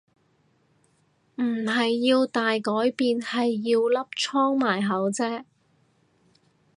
唔係要大改變係要粒瘡埋口啫